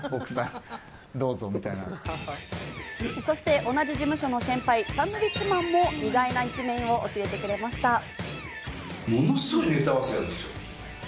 そして同じ事務所の先輩、サンドウィッチマンも意外な一面を教えてくれました。